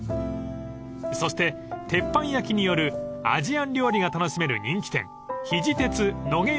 ［そして鉄板焼きによるアジアン料理が楽しめる人気店肘鉄野毛横丁店］